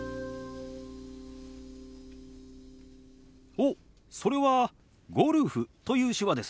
おっそれは「ゴルフ」という手話ですね。